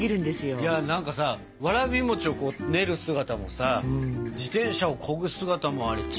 いや何かさわらび餅をこう練る姿もさ自転車をこぐ姿もあれ力強かったですよ。